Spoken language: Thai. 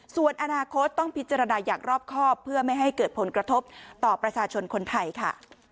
ส่วนอนาคตต้องพิจารณาอย่างรอบครอบเพื่อไม่ให้เกิดผลกระทบต่อประชาชนคนไทยค่ะ